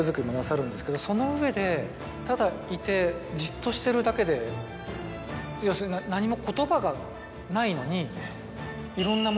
その上でただいてじっとしてるだけで要するに何も言葉がないのに。